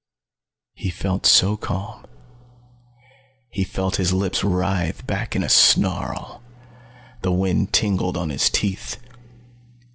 He felt so calm. He felt his lips writhe back in a snarl. The wind tingled on his teeth.